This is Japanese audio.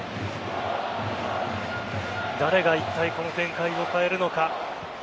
誰がいったいこの展開を変えるのか。